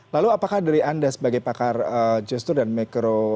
lalu apakah dari anda sebagai pakar gestur dan mikro